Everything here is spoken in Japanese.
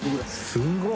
すごい！